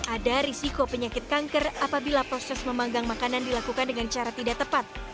ada risiko penyakit kanker apabila proses memanggang makanan dilakukan dengan cara tidak tepat